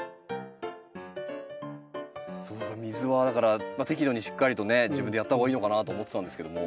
水はだから適度にしっかりとね自分でやったほうがいいのかなと思ってたんですけども。